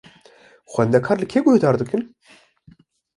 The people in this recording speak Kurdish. Xwendekar li kê guhdar dikin?